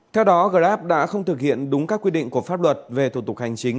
theo đó grab đã không thực hiện đúng các quy định của pháp luật về thủ tục hành chính